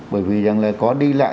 bởi vì rằng là có đi lại